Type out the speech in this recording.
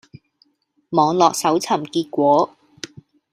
網絡搜尋結果